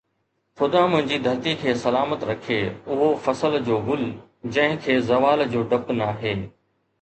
خدا منهنجي ڌرتي کي سلامت رکي. اُهو فصل جو گل، جنهن کي زوال جو ڊپ ناهي